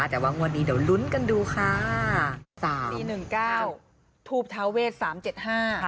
แต่ว่างวดนี้เดี๋ยวลุ้นกันดูค่ะสามสี่หนึ่งเก้าทูบทเท้าเวทสามเจ็ดห้าค่ะ